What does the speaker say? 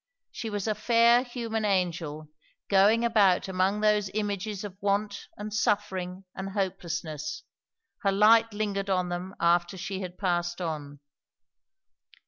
She was a fair human angel going about among those images of want and suffering and hopelessness; her light lingered on them after she had passed on.